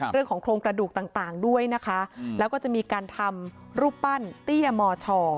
เรื่องของโครงกระดูกต่างต่างด้วยนะคะแล้วก็จะมีการทำรูปปั้นเตี้ยมอช่อ